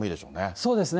そうですね。